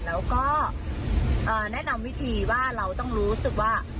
แล้วก็แนะนำวิธีว่าเราต้องรู้สึกว่า